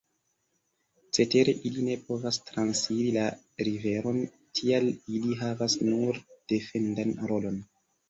Cetere ili ne povas transiri la riveron; tial ili havas nur defendan rolon.